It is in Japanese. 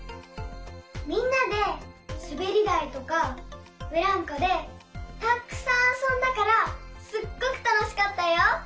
みんなですべりだいとかブランコでたっくさんあそんだからすっごくたのしかったよ。